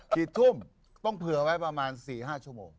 กี่ทุ่มต้องเผื่อไว้ประมาณ๔๕ชั่วโมง